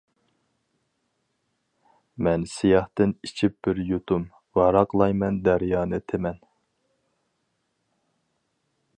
مەن سىياھتىن ئىچىپ بىر يۇتۇم، ۋاراقلايمەن دەريانى تىمەن.